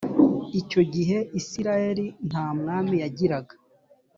icyo gihe isirayeli nta mwami yagiraga